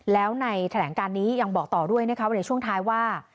แล้วในแถลงการนี้ยังบอกต่อด้วยนะคะว่าในช่วงท้ายว่า